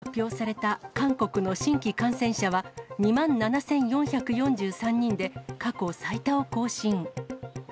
きょう発表された韓国の新規感染者は２万７４４３人で過去最多を更新。